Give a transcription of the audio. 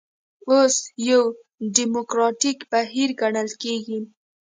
اوس یو ډیموکراتیک بهیر ګڼل کېږي.